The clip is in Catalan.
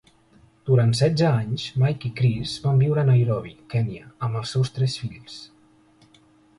Durant setze anys, Mike i Chris van viure a Nairobi, Kènia, amb els seus tres fills.